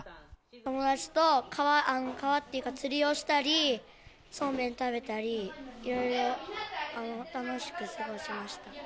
友達と川っていうか、釣りをしたり、そうめん食べたり、いろいろ楽しく過ごしました。